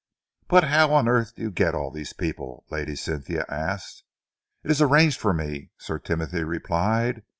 "But how on earth do you get all these people?" Lady Cynthia asked. "It is arranged for me," Sir Timothy replied.